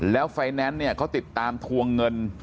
แล้วไฟแนนซ์เนี่ยเขาติดตามทวงเงิน